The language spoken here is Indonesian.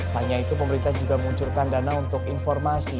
hanya itu pemerintah juga menguncurkan dana untuk informasi